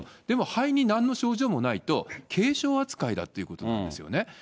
でも、肺になんの症状もないと、軽症扱いだっていうことなんですよね。